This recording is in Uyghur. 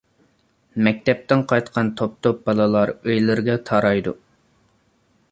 مەكتەپتىن قايتقان توپ-توپ بالىلار ئۆيلىرىگە تارايدۇ.